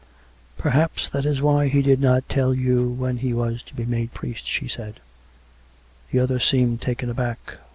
" Perhaps that was why he did not tell you when he was to be made priest," she said. The other seemed taken aback.